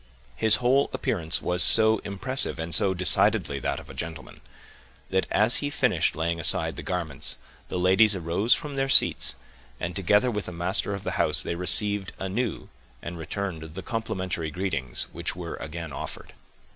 His whole appearance was so impressive and so decidedly that of a gentleman, that as he finished laying aside the garments, the ladies arose from their seats, and, together with the master of the house, they received anew, and returned the complimentary greetings which were again offered.